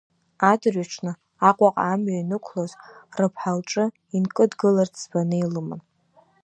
Адырҩаҽны Аҟәаҟа амҩа ианықәгылоз, рыԥҳа лҿы инкыдгыларц ӡбаны илыман.